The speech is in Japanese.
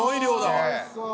わあおいしそう。